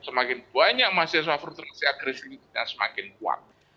kenapa masyarakat tersebut tersehat resulit kita semakin kuat